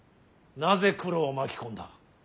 なぜ九郎を巻き込んだ。